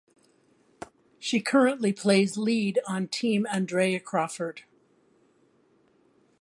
She currently plays lead on Team Andrea Crawford.